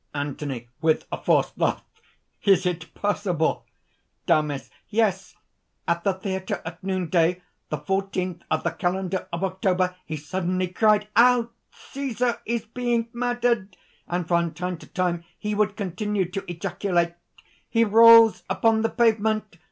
ANTHONY (with a forced laugh). "Is it possible?" DAMIS. "Yes: at the theatre at noon day, the fourteenth of the Kalenda of October, he suddenly cried out: 'Cæsar is being murdered!' and from time to time he would continue to ejaculate: 'He rolls upon the pavement